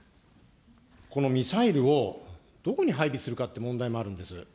このミサイルをどこに配備するかっていう問題もあるんです。